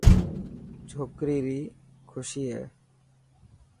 ڇوڪري ري خوشي هي.